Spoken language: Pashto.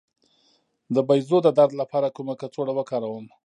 د بیضو د درد لپاره کومه کڅوړه وکاروم؟